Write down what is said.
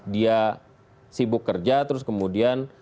dia sibuk kerja terus kemudian